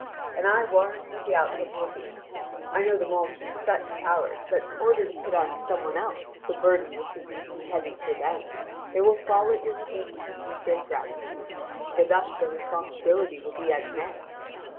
And I warrant what the outcome will be: I know them all to be such cowards that in order to put on some one else the burden which would be too heavy for them, they will fall at your feet and speak their gratitude; for thus their responsibility will be at an end.